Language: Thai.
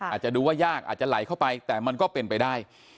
อาจจะดูว่ายากอาจจะไหลเข้าไปแต่มันก็เป็นไปได้